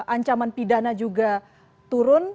ancaman pidana juga turun